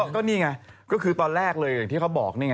ก็นี่ไงก็คือตอนแรกเลยอย่างที่เขาบอกนี่ไง